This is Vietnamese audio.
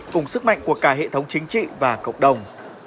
cùng sức mạnh của cả hệ thống chính trị và cộng đồng